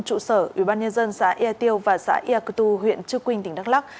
trụ sở ubnd xã ea tiêu và xã yà cơ tu huyện chư quynh tỉnh đắk lắc